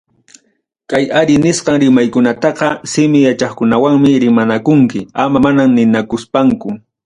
Kay ari nisqan rimaykunataqa simi yachaqkunawanmi rimanakunki, ama manam ninakuspanku.